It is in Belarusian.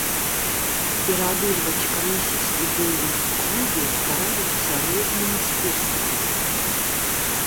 Пераадольваць крызіс у боўлінг-клубе стараюцца рознымі спосабамі.